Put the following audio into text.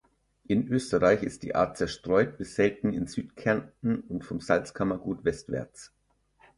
In Österreich ist die Art zerstreut bis selten in Südkärnten und vom Salzkammergut westwärts.